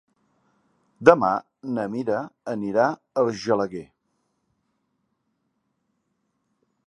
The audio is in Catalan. Demà na Mira anirà a Argelaguer.